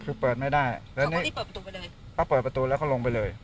คือเปิดไม่ได้แล้วนี่เปิดประตูไปเลยเขาเปิดประตูแล้วเขาลงไปเลย